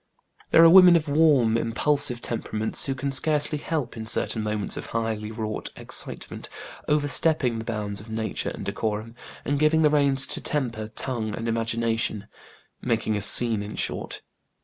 There are women of warm, impulsive temperaments who can scarcely help, in certain moments of highly wrought excitement, over stepping the bounds of nature and decorum, and giving the reins to temper, tongue, and imagination making a scene, in short.